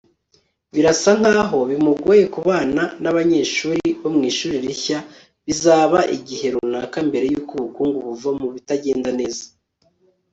Birasa nkaho bimugoye kubana nabanyeshuri bo mwishuri rishya Bizaba igihe runaka mbere yuko ubukungu buva mubitagenda neza